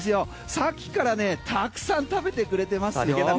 さっきからねたくさん食べてくれてますよ。